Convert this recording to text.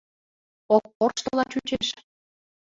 — Ок корштыла чучеш...